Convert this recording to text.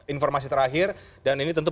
informasi terakhir dan ini tentu